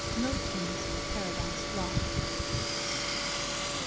MILTON'S PARADISE LOST.